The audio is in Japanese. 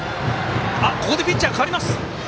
ここでピッチャー代わります。